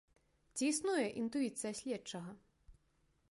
Ці існуе інтуіцыя следчага?